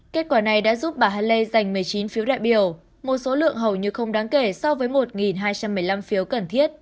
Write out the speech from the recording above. kết quả này đã giúp bà haley dành một mươi chín phiếu đại biểu một số lượng hầu như không đáng kể so với một hai trăm một mươi năm phiếu cần thiết